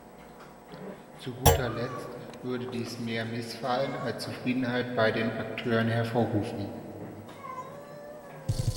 Zu guter Letzt würde dies mehr Missfallen als Zufriedenheit bei den Akteuren hervorrufen.